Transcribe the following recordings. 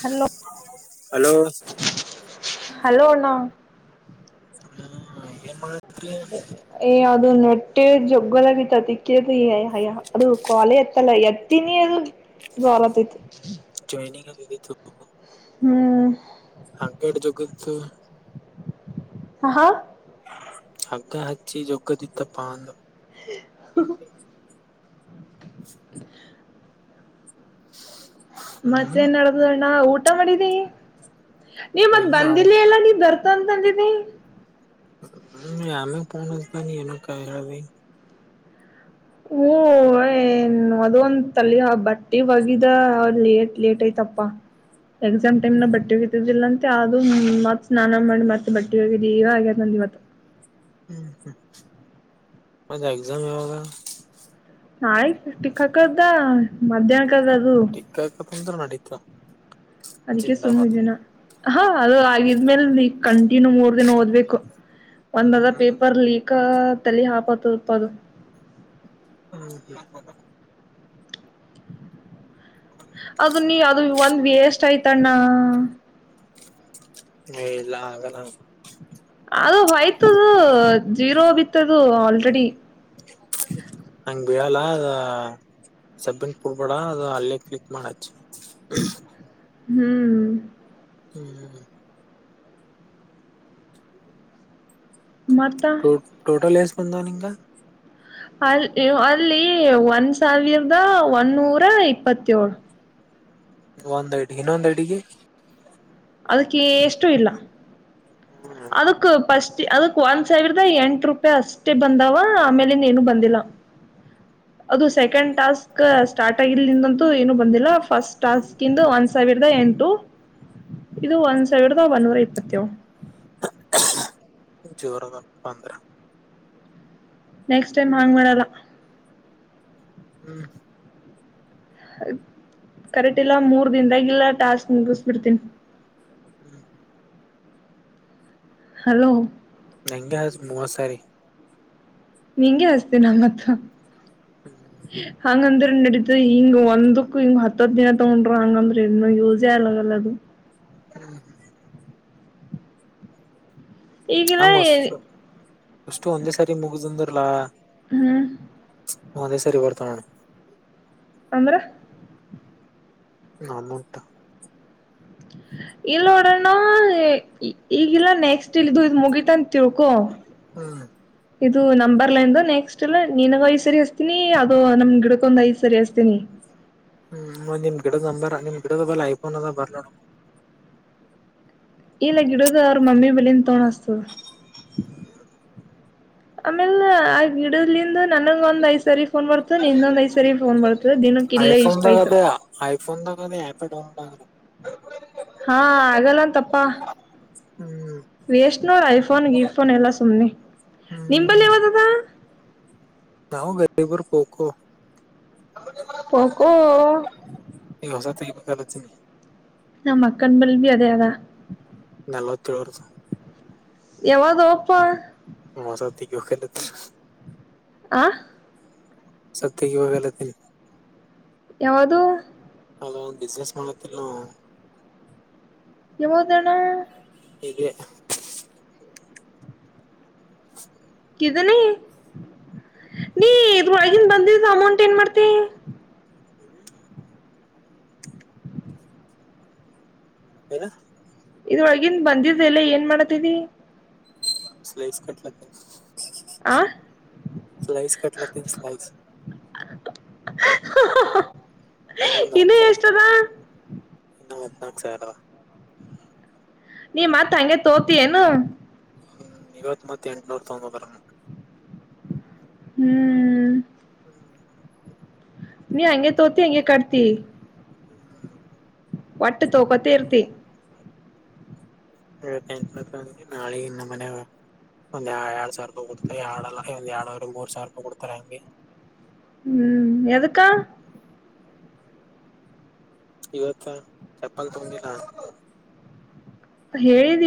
Hello hello hello ಅಣ್ಣ ಹಾ ಏನ್ ಮಾಡತ್ರಿ ಹೊಟ್ಟೆ ಜೊಗ್ಗಲಾಗಿತ್ತು ಅದಿಕೆ ಅದು ಕ್ವಾಲೆ ಎತ್ತಲ್ಲ ಎತ್ತೀನಿ ಅದು - [unintelligible] ಟ್ರೈನಿಂಗ್ಗತ್ತು ಹ್ಮ್ ಅಂಗಡ್ ಜಗತ್ತು. ಹ ಹಾ ಹಗ್ಗ ಹಚ್ಚಿ ಜೋಗ್ಗದಿತ್ತಪ್ಪ ಹಾ ಹಾ [unintelligible] ಹ್ಮ್ ಮತ್ತೇನ್ ನಡಬುದ ಅ್ಣ ಊಟ ಮಾಡಿದೀ ನೀವ್ ಮತ್ ಎಲ್ಲಿ ಮಾಡ ಬಂದಿಲ್ಲ ಎಲ್ಲ ನೀ್ ಬರ್ತ ಅಂತಂದಿದಿ ಹ್ಮ ಅೇ ಪಸ ದನ ಏನ ಕರಾವ ಓ ಅದ ಒಂದ ತಲ್ಲಿ ಬಟ್ಟೆ ಒಗಿದ ಲೇಟ್ ಲೇಟ್ ಐತಪ್ಪ ಎಕ್ಸಾಮ್ ಟೈ್ ನ ಬಟ್ಟಿಿದ್ದಿಲ್ಲ ಮತ್ತೆ ಅದು ಮತ್ತತ್ ಸ್ನಾನ ಮಾಡಿ ಮತ್ತೆ ಬಟ್ಟಿ ಹೋಗಿದ್ದಿ ಇವಾಗ್ಯ ನಂದ ಇವತ್ತ ಹ್ಮ್ ಹ್ಮ್ ಅ ಎಕ್ಸಾಮ್ ಯಾವಾಗ ಆಯ್ತು ಟಿಕ್ಕ ಹಕದ ಮಧ್ಯಾಹ್ನ ಕ ತಂತ ನ ಡಿಿತಾ ಅದಕ್ಕೆ ಸುಮ್ಮ ದಿನ ಹಾ ಅದು ಆಗಿದ್ಮೇಲ್ ಕಂಟಿನ್ಯೂ ಮೂರ್ ದಿನ ಓದ್ಬೇಕು ಒಂದ್ದ ಹ್ಮ್ ಪೇಪರ್ ಲೀಕ್ ತಲಿ ಹಾಪತಪದು ಹ್ಮ ಹ ಅದು ನೀ ಅದು ಒಂದ್ ವೇಸ್ ಆಯ್ತಣ್ಣ ಹ್ಮಲ್ಲ ಹಾಗಗಲ್ಲ ಅದು ಹಯ್ತದು ಜೀರೋ ಬಿತ್ತದು ಆಲ್ರೆಡಿ ಹೆ ಅದ ಸಬ್ಬಿನ್ ಕುಡ್ಬೇಡ ಅದು ಅಲ್ಲೇ ಪಿಕ್ ಮಾಡಚ್ಚು ಹ್ಮ್ ಹ್ಮ್ ಮತ್ತ ೋ ಟೋಟಲ್ ಎ ಸ್ಬಂದ ನಿಂಗ ಅಲ್ಲಿ ಅಲ್ಲಿ ಒಂದ್ ಸಾವಿರದ ಒನ್ನೂರ ಇಪ್ಪತ್ತೋೇಳು ಒಂದ್ಐಡ್ಗೆ ಇನ್ನೊಂದ್ ಅಡಿಗೆ ಅದಕ್ಕೆ ಎಷ್ಟು ಇಲ್ಲ ಹ್ಮ ಅದಕ್ ಫಸ್ಟ್ ಅದಕ್ ಒಂದ್ ಸಾವಿರದ ಎಂಟ ರೂಪಾಯಿ ಅಷ್ಟೇ ಬಂದಾವ ಆಮೇಲಿಂದ ಏನು ಬಂದಿಲ್ಲ ಅದು ಸೆಕೆಂಡ್ ಟಾಸ್ಕ್ ಸ್ಟಾರ್ಟ್ ಆಗಿಲ್ದಿಂದಂತೂ ಏನು ಬಂದಿಲ್ಲ ಫಸ್ಟ್ ಟಾಸ್ಕ್ಂದು ಒಂದ್ ಸಾವಿರದ ಎಂಟು ಇದು ಒಂದ್ ಸಾವಿರದ ಒನ್ನೂರ ಇಪ್ಪತ್ತ ಜೋರದ ಪಂದ್ರ ನೆಕ್ಸ್ಟ್ ಟೈಮ್ ಹಾಂಗ್ ಮಾಡಲ್ಲ ಹ್ಮ್ ಕರೆಕ್ಟ್ ಇಲ್ಲ ಮೂರ್ ದನ್ದಾಗಿಲ್ಲ ಟಾಸ್ಕ್ ಮುಗಿಸಬಿಡ್ತೀನ್ ಹ್ಮ್ ಹ್ಮ್ ಹಲೋ ಮಂಗ ಮೂವ ಸರಿ ನಿಂಗೆ ಅಸ್ತೇ ನಮ್ಮತ್ ಹ್ಮ್ ಹಂಗಂದ್ರೆ ನಡೀತ ಹಿಂಗ ಒಂದಕ್ಕ ಹಿಂಗ್ ಹತ್ ದಿನ ತಗೊಂಡ್ರ ಹಂಗಂದ್ರೆ ಇನ್ನು ಯೂಸೆ ಅಲಗಲ್ಲ ಅದು ಹ್ಮ್ ಹ್ಮ ಈಗಿಲ್ಲ ಹಂಗ ಅಷ್ಟು ಅಷ್ಟು ಒಂದೇ ಸಾರಿ ಮುಗ್ದಂದರ್ಲಾ ಹ್ಮ್ ಹ ಅದೇ ಸರಿ ಬರ್ತನಣ ಅಂದ್ರ ನಮ್ಮಊಟಾ ಇಲ್ಲ ನೋಡೋಣ ಈಗಲ್ಲ ನೆಕ್ಸ್ಟ್ ಇದು ಮುಗಿತಂತ ತಿಳ್ಕೋ ಹ್ಮ್ ಇದು ನಂಬರ್ ಲೈನ್ ನೆಕ್ಸ್ಟ್ ಎಲ್ಲ ನಿನ್ೈ ಸರಿ ಹಸ್ತೀನಿ ಅದು ನಮ ಗಿಡ ಕೊಂದ ಈ ಸರಿ ಅತ ನೀ ಹ್ಮ್ ನಿಮ್ ಗಿಡದ ನಂಬರ್ ನಿಮ್ ಗಿಡದ ಬ ಐಫೋನ್ ಅದ ಬರ್ಲೋಡ ಇಲ್ಲ ಗಿಡದ ಅವ ಮಮ್ಮಮ್ಮಿ ಬಲಿ ತೋೊಂಡತ ಆಮೇಲ್ಲ ಆ ಗಿಡಲ್ಲಿಂದ ನನ್ಂಗ ಒಂದ್ ್ ಸರಿ ಫೋನ್ ಬರ್ತದೆ ನಿಂದೊಂದ್ ಐ್ ಸರಿ ಫೋನ್ ಬರ್ತದೆ ದಿನಕ್ಕೆ ಇಲ್ಲೇ ಇಷ್ಟ ಆಯ್ತು ಐಫೋನ್ ದ ಕೇ ಆ್ಯಪೇ ಡೌನ್ಲೋಡ್ ಆಗಲ್ಲ ಹಾ ಆಗಲ್ಲಂತಪ್ಪಾ ಹ್ಮ್ ವೇಷನೋರ್ ಐಫೋನ್ ಗಫೋನ್ ಎಲ್ಲ ಸುಮ್ಮ್ನೆ ನಿಂಬಲ್ಲಿ ಹ್ಮ್ ಯಾವ್ದದ ಹಾ ಗಲಬರು ಪೋಕ ಪೊಕೊ ತ್ತಲ ಚನ ನಾ ಅಕ್ಕನ್ ಬಲ್ ಬಿ ಅದೇ ಅದಾ ನಾಲೋ ತಿೇಳೋದು ಯಾವದೋಪ್ಪಾ ಮಜಾತಿಿಗೆವು ಕೆತ ಆ ಸಪ್ತಗುವಾಗಲ ತಿ ಯಾವ್ದು ಬಿಸಿನಸ್ ಮಾಡಲತಿಲ್ಲ ನೀವು ಎಲ್ಲಿಗೆ ಹೊಡೆಣ್ಣ ಇಲ್ಲೆ ಹ ಾನ ನೀ ಇದ್ರ ಒಳಗನ್ ಬಂದಿದ್ದ ಅಮೌಂಟ್ ಏನ್ ಮಾಡ್ತಿ ಹ ಏನ ಇದ್ರೊಳಗನ್ ಬಂದಿದ ಎಲ್ಲ ಏನ್ ಮಾಡತಿದಿ ಸ್ಲೈಸ್ ಕಟ್ಲಕ ಆ ಸ್ಲೈಸ್ ಕಟ್ಲಕ ಸ್ಲೈಸ್ ಈಗ ಒಂದ್ ಹತ್ ಇನ್ನುೂ ಎಷ್ಟದ ನಾಕ್ ಸಾವಿರ ಅವ ನೀ ಮತ್ ಹಂಗೆ ತೋತಿ ಏನು ಹೂ ಇವತ್ ಮತ್ ಎಂಟನೂರ ತೊಂಬತ್ತರನು ಹೂ ಹೂ ಹೂ ನೀ ಹಂಗೆ ತೋತಿ ಹಂಗೆ ಕತ್ತಿ ಒಟ್ಟು ತೋಕತೀರ್ತಿ ೆನ್ನ್ ನಾಳೆ ಇನ್ನ ಮನೆಗ ಒಂದ್ ಎರಡ್ ಸಾವಿರ ರೂಪಾಯಿ ಕೊಡ್ತಾರೆ ಎರಡಲ್ಲ ಒಂದ್ ಎರಡವ್ರರು ಮೂರ್ ಸಾವಿರ ರೂಪಾಯಿ ಕೊಡ್ತಾರೆ ಹಂಗೆ ಹ್ಮ್ ಎದಕ್ಕ ಇವತ್ತ ಚಪ್ಪನ್ ತಗೊಂಡಿಲ್ಲ ಹೇಳಿದ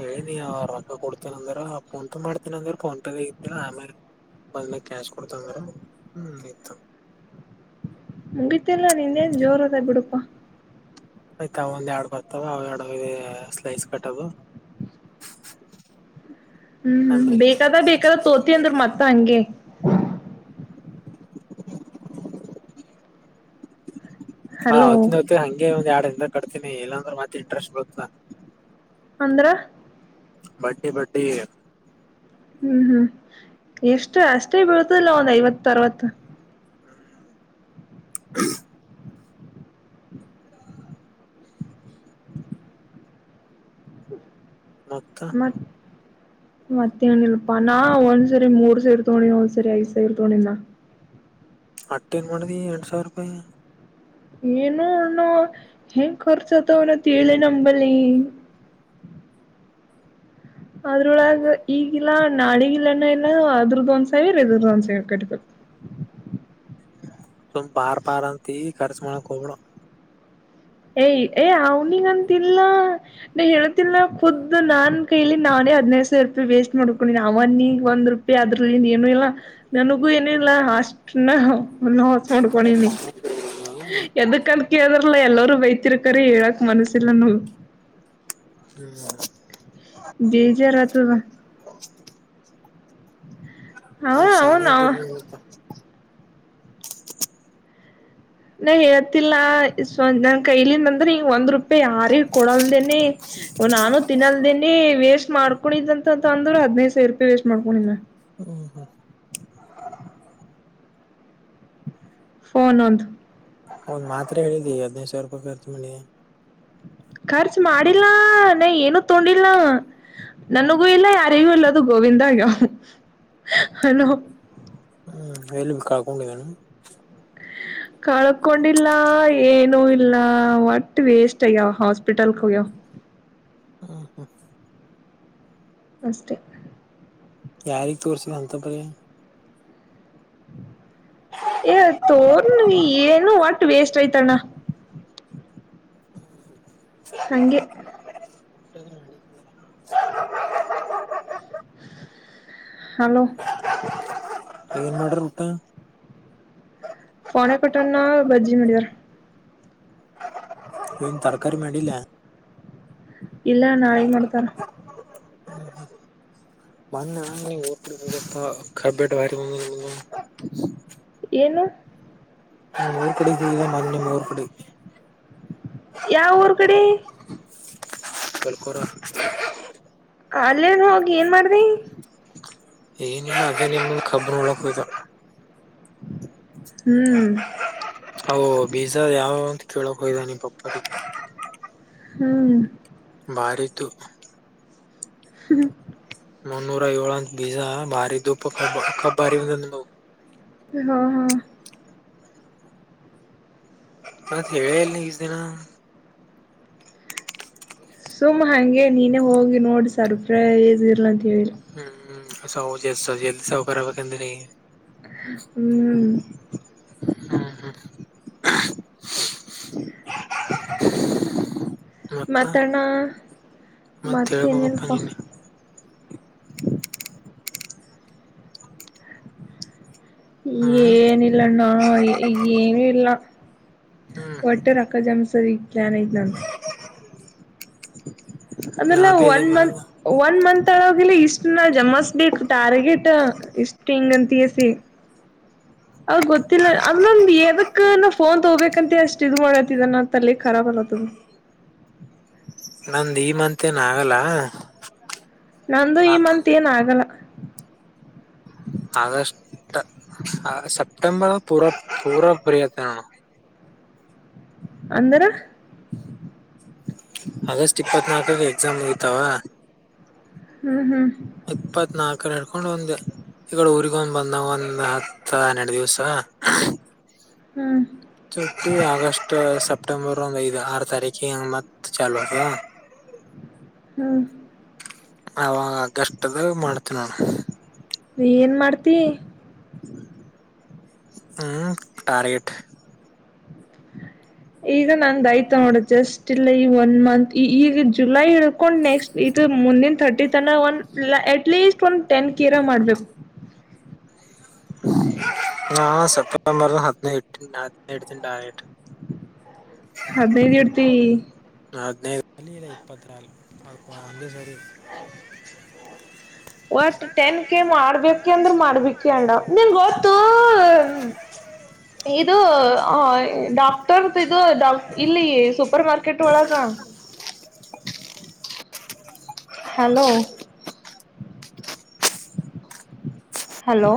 ಹೇಳನೀ ಅವರ್ ರೊಕ್ಕ ಕೊಡ್ತ ಂದ್ರ ಫೋನ್ಟ ಮಾಡ್ತನ ಅಂದ್ರ ೋನ್ ತಗ ಆಮೇ ಬದ್ಲ ಕ್ಯಾಶ್ ಕೊಡ್ತ ಅಂದ್ರ ಹೂ ಇತ ಮುಗತಿಲ್ಲಾ ನಿಂದೇನ್ ಜೋರ್ ಅದ ಬಿಡಪಾ ಆಯ್ತ ಅವ ಒಂದ ಎರಡ್ ಬರ್ತಾವ ಅವ ಎರಡ ಸ್ಲೈಸ್ ಕಟ್ಟದು ಹೂ ಹೂ ಬೇಕಾದ ಬೇಕಾದ ತೋತಿ ಅಂದ್ರ ಮತ್ತ ಹಂಗೆ [inaudible] ಹಾ ಹಲೋ ಹೊತ್ತಿನ ಹೊತ್ತ ಹಂಗೆ ಒಂದ್ ಎರಡ್ ದ ಕಡ್ತೀನಿ ಇಲ್ಲಾಂದ್ರೆ ಮತ್ತೆ ಇಂಟ್ರೆಸ್ಟ್ ಬತ್ತಾ ಅಂದ್ರ ಬಡ್ಡಿ ಬಡ್ಡಿ ಹೂ ಹೂ ಎಷ್ಟು ಅಷ್ಟೇ ಬೀಳ್ತದಿಲ್ಲ ಒಂದ್ ಐವತ್ತು ಅರವತ್ತು ಹ್ಮ್ ಮತ್ತ ಮತ್ತೆ ಏನ ಇಲ್ಪ ನಾ ಒಂದ್ಸರಿ ಮೂರ್ ಸರಿ ತೋಣಿ ಒಂದ್ಸರಿ ಐದ್ ಸರಿ ತೋಳಿನ ಅತ್ತ್ ಏನ್ ಮಾಡದಿ ಎಂಟು ಸಾವಿರ ರೂಪಾಯಿ ಏನು ಅನ ಹೆಂಗ್ ಖರ್ಚತ ಅವನತೆಲೆ ನಂಬಲ್ಲಿ ಅದ್ರೊಳಗ ಈಗಿಲ್ಲಾ ನಾಳಿಗಿಲ್ಲನ ಇಲ್ಲ ಅದ್ರದ್ದ ಒಂದ್ ಸೈಡ್ ಇದ್ರದ ಒಂದ್ ಸೈಡ್ ಕಟ್ಬೇಕು. ಸಂಪಾರ ಪಾರಂತಿ ಕರೀಸ್ಮಾಡಕೋಬೇಡ ಏಯ ಏ ಅವ್ನಿಗಂತಿಲ್ಲ ನೀ ಹೇಳತಿಲ್ಲ ಪುದ್ದು ನಾನ್ ಕೈಲಿ ನಾನ್ ಹದನೈದು ಸಾವಿರ ರೂಪಾಯಿ ವೇಸ್ಟ್ ಮಾಡ್ಕೊಂಡಿನ ಅವನಿಗ ಒಂದರೂಪಾಯಿ ಅದ್ರಿಂದ ಏನು ಇಲ್ಲ ನನಗೂ ಏನು ಇಲ್ಲ ಅಷ್ಟ ನಾ ನಸ ಮಾಡ್ಕೊಂಡಿನಿ ಎದಕ್ಂತ ಕೇಳಿದ್ರಲ್ಲ ಎಲ್ಲರೂ ವಯ್ತಿರ್ಕಾರೆ ಹೇಳಕ್ ಮನಸಿಲ್ಲ ನೊ ಹ್ಮ್ ಬೇಜಾರತದ ಅವ ಅಟ್ ಅವನ್ ಅವ ಶಾನೆಇದಿರ್ ನೀವ್ ಮತ ನಾ ಹೇಳ್ತಿಲ್ಲ [unintelligible] ನನ್ ಕೈಲನ್ [unintelligible] ಒಂದ್ ರೂಪಾಯಿ ಯಾರ ಕೊಡಲ್ದೇನೆ ನಾನು ತಿನ್ನಲ್ದಿನಿ ವೇಸ್ಟ್ ಮಾಡ್ಕೊಂಡಿದಂತ ಅಂತ ಅಂದ್ರ ಹದನೈದು ಸಾವಿರ ರೂಪಾಯಿ ವೇಸ್ಟ್ ಮಾಡ್ಕೊಂಡಿದ್ ಹ್ಮ್ ಹ್ಮ್ ಫೋನೊಂದ್ ಒದ್ ಮಾತರ ಹೇಳಿದಿ ಹದ್ನೈದು ಸಾವಿರ ರೂಪಾಯಿ ಖರ್ಚು ಮಾಡಿ ಖರ್ಚ್ ಮಾಡಿಲ್ಲ ನ ಏನು ತೊಂಡಿಲ್ಲ ನನಗೂ ಇಲ್ಲ ಯಾರಿಗೂ ಇಲ್ಲದು ಗೋವಿಂದಾ ಆಗವ್ ಅಲೋ ಹ್ಮ್ ಎಲ್ಲಿ ಬಿ ಕಳ್ಕೊಂಹೋಗನು ಕಳ್ಕೊಂಡಿಲ್ಲ ಏನು ಇಲ್ಲ ಒಟ್ ವೇಸ್ಟ್ ಆಗ್ಯಾವ ಹಾಸ್ಪಿಟಲ್ಕೋಗ್ಯಾವ್ ಹ್ಮ ಹ ಅಷ್ಟೇ ಯಾರಿಗ್ ತೋರ್ಸಿನ್ ಅಂತಪರಿ ಏ ತೋರ್ನ ಏನು ಒಟ್ಟು ವೇಸ್ಟ್ ಐತ್ಣ [unintelligible] [unintelligible] ಹಲೋ ಏನ್ ಮಾಡಿರ್ ಉತ ಫೋನೆ ಕಟನ್ನ ಭಜ್ಜಿ ಮಡಿದರ್ ಏನ್ ತರ್ ಇಲ್ಲ ನಾಳಿಗ್ ಮಾಡ್ತಾರ ಮೊನ್ನೆ ನೀವು ಕಬ್ಬ. [inaudible] ಏನು [inaudible] ಯಾವ ಊರ್ ಕಡೆ ಕಲ್ಕೋರ ಅಲ್ಲೆನ್ ಹೋಗಿ ಏನ್ ಮಾಡ್ದಿ ಏನಿಲ್ಲ ಅದೇ ನೀ [unintelligible] ಹೋದ ಹ್ಮ್ ಹ ಬೀಜಾರ್ ಯಾವ ಯಾವ್ ಅಂತ ಕೇಳಕ್ ಹೋಗಿದ್ ನಿನ್ ಪಪ್ಪ ಹ್ಮ್ ಮಾಡಿತು ಹ್ಮ ಮುನ್ನೂರ ಏಳು ಅಂತ ಬೀಜ ಮಾರಿದ್ [unintelligible] ಹಾ ಹಾ ಮತ್ ಹೇಳೇ ಇಲ್ ನಿ ಇಸ್ ದಿನ ಸುಮ್ಮ್ ಹಂಗೆ ನೀನೇ ಹೋಗಿ ನೋಡ್ ಸರ್ಪ್ರೈಸ್ ಇರ್ಲಂತ ಹೇಳಿ ಹ್ಮ ಸೌಜೇ ಸಜೆಲ್ ಸೌಕರ ಆಗಬೇಕ್ ಅಂದಿರಿ. ಹ್ಮ್ ಹ್ಮ ಹಾ ಮತ್ತ ಮತ್ತಣ್ಣ ಮತ್ ಮತ್ತೇನ ಹೇಳ್ಬೇಕಪ್ಪ ಇಲ್ಲಪ್ಪ. ನೀನೆ ಹ್ಮ್ ಏನಿಲ್ಲ ಅಣ್ಣಾ ಏ ಏನು ಇಲ್ಲ. ಹ್ಮ್ ಒಟ್ಟೆ ರಕ್ಕ ಜಮಸದೀಗ್ ಗ್ಯಾನ್ ಐತ್ ನಂದ. ನಾ ಅಂದ್ರಲ್ಲ ಬಿ ಅದೇ ಒನ್ ಮಂತ್ ಮಾಡದು ಒನ್ ಮಂತ್. ಟಗಿಲ್ಲ ಇಷ್ಟ ನಾ ಜಮಾಸ್ ಬೇಕ್ ಟಾರ್ಗೆಟ್ ಇಷ್ಟ್ ಹಿಂಗ್ ಅಂತಗೆಸಿ. [inaudible] ಅ ಗೊತ್ತಿಲ್ಲ ಅದೊಂದ ಏದಕ್ ನಾ ಫೋನ್ ತಗೋಬೇಕಂತ ಅಷ್ಟ್ ಇದು ಮಾಡತ್ತಿದ ನಾ ತಲೆ ಖರಾಬ್ ಅಲತ್ತದ. ಹ್ಮ ನಂದ ಈ ಮಂತೇನ್ ಆಗಲ್ಲ. ನಂದು ನಾ ಈ ಮಂತ್ ಏನ್ ಆಗಲ್ಲ. ಅಗಷ್ಟ ಅ ಸೆಪ್ಟೆಂಬರ್ ಪುರ ಪುರ ಫ್ರೀ ಆತಾ ನೋಡು. ಅಂದರ. August ಇಪ್ಪತ್ನಾಲ್ಕಕ್ exam ಐತಾವ. ಹ್ಮ್ ಹ್ಮ್ ಇಪ್ಪತ್ ನಾಲ್ಕರ ಹಿಡ್ಕೊಂಡ್ ಒಂದ ಈಗಡ ಊರಿಗ ಒಂದ್ ಬಂದ ಒಂದ್ ಹತ್ತ ಹನ್ನೆರಡು ದಿವ್ಸ. ಹ್ಮ್ ಸುಟ್ಟಿ ಆಗಸ್ಟ್ ಸೆಪ್ಟೆಂಬರ್ ಒಂದ ಐದು ಆರ ತಾರಕಿ ಹಂಗ ಮತ್ ಚಾಲೂ ಆತದ. [unintelligible] ಹ್ಮ್ ಅವಾಗ ಆಗಸ್ಟ್ದಾಗ್ ಮಾಡ್ತೀನಿ ನೋಡ್. ಏನ್ ಮಾಡ್ತಿ. ಹ್ಮ ಟಾರ್ಗೆಟ್. ಈಗ ನಂದ ಆಯ್ತ ನೋಡ ಜಸ್ಟ್ ಈ ಒನ್ ಮಂತ್ ಈ ಈಗ ಜುಲೈ ಹಿಡ್ಕೊಂಡು ನೆಕ್ಸ್ಟ್ ಇದು ಮುಂದಿನ ಥರ್ಟಿ ತನಾ ಒನ್ ಪ್ಲ ಏಕ್ ಅಟ್ಲೀಸ್ಟ್ ಒಂದ ಟೆನ್ ಕೆರಾ ಮಾಡ್ಬೇಕ. [inaudible] ನಾ ಸೆಪ್ಟೆಂಬರದಾಗ್ ಹದಿನೈದ ನಾ ಅದ್ನೆ ಇಡತಿನಿ ಡರೆಕ್ಟ್. ಹದನೈದ ಎಡ್ತಿ. ಹದನೈದ ಅಲ್ ಇಲ್ಲಿಲ್ಲ ಇಪ್ಪತ್ತ ಮ್ಯಾಲ ಅಬ್ಬ ಒಂದೆ ಸರಿ ಯಾಕ್ ಒಟ್ ಟೆನ್ ಕೆ ಮಾಡ್ಬೇಕೆ ಅಂದ್ರ ಮಾಡಬೇಕೆ ಅಣ್ಣ ನಿಂಗ್ ಗೊತ್ತು. [inaudible] ಇದು ಆ ಡಾಕ್ಟರದ ಇದು ಡಾಕ್ ಇಲ್ಲಿ ಸೂಪರ್ ಮಾರ್ಕೆಟ್ ಒಳಗ. [inaudible] Hello hello